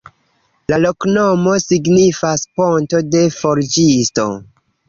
La loknomo signifas: ponto de forĝisto.